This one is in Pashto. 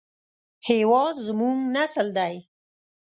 هېواد زموږ نسل دی